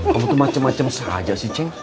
kamu tuh macem macem saja sih ceng